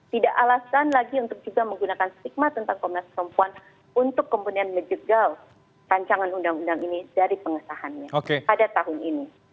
tidak alasan lagi untuk juga menggunakan stigma tentang komnas perempuan untuk kemudian menjegal rancangan undang undang ini dari pengesahannya pada tahun ini